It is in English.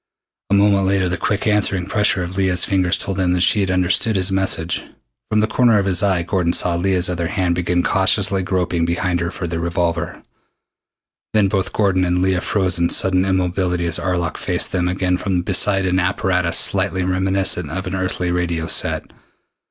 A moment later the quick answering pressure of Leah's fingers told him that she had understood his message. From the corner of his eye Gordon saw Leah's other hand begin cautiously groping behind her for the revolver. Then both Gordon and Leah froze into sudden immobility as Arlok faced them again from beside an apparatus slightly reminiscent of an earthly radio set.